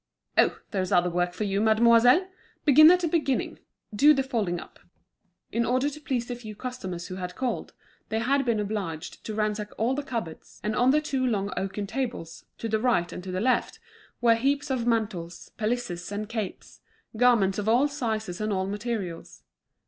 "Oh, there's other work for you, mademoiselle! Begin at the beginning. Do the folding up." In order to please the few customers who had called, they had been obliged to ransack all the cupboards, and on the two long oaken tables, to the right and the le£t, were heaps of mantles, pelisses, and capes, garments of all sizes and all materials.